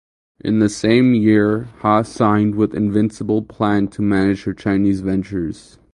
In the same year, Ha signed with Invincible Plan to manage her Chinese ventures.